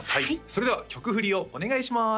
それでは曲振りをお願いします